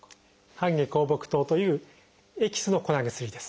「半夏厚朴湯」というエキスの粉薬です。